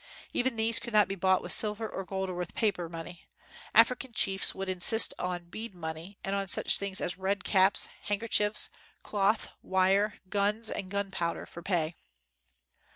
Even these could not be bought with silver and gold or with paper money. African chiefs would insist on bead money and on such things as red caps, handker chiefs, cloth, wire, guns, and gunpowder for pay.